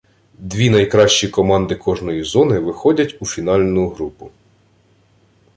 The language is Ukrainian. Дві найкращі команди кожної зони, виходять фінальну групу.